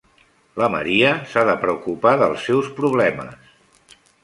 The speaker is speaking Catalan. La Maria s'ha de preocupar dels seus problemes.